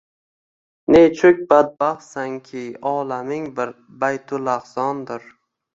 Nechuk badbaxtsan ki olaming bir baytulahzondir